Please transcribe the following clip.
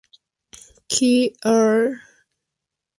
Q: Are We Not Men?